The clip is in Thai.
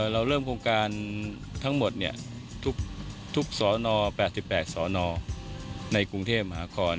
เราเริ่มโครงการทั้งหมดทุกสอนอ๘๘สนในกรุงเทพมหานคร